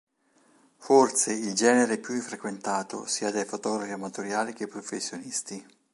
Forse il genere più frequentato sia dai fotografi amatoriali che professionisti.